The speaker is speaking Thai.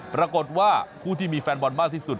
ปรากฏว่าคู่ที่มีแฟนบอลมากที่สุด